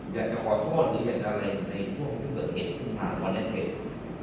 อยากจะขอโทษหรืออยากจะอะไรในช่วงที่เกิดเหตุที่ผ่านมาในเพจ